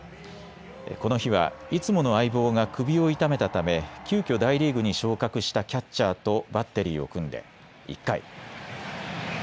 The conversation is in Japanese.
この日はいつもの相棒が首を痛めたため、急きょ大リーグに昇格したキャッチャーとバッテリーを組んで１回。